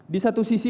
di satu sisi